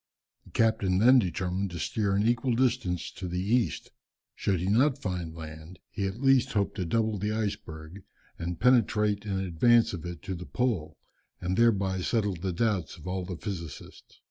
The captain then determined to steer an equal distance to the east. Should he not find land, he at least hoped to double the iceberg, and penetrate in advance of it to the pole, and thereby settle the doubts of all the physicists.